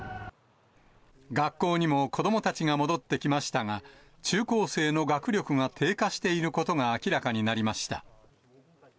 学校にも子どもたちが戻ってきましたが、中高生の学力が低下していることが明らかになりました。